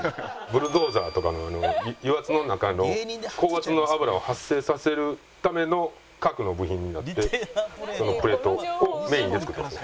ブルドーザーとかの油圧の中の高圧の油を発生させるための核の部品になってそのプレートをメインで作ってます。